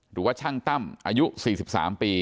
หรือว่าช่างตั้มอายุ๔๓ปี